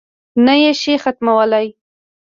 نه یې شي ختمولای.